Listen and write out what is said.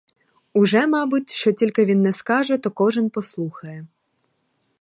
Уже, мабуть, що тільки він не скаже, то кожен послухає.